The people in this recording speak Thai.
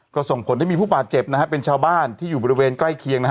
ก็ส่งผลให้มีผู้บาดเจ็บนะฮะเป็นชาวบ้านที่อยู่บริเวณใกล้เคียงนะฮะ